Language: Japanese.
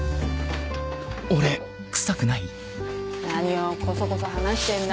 何をコソコソ話してんだ？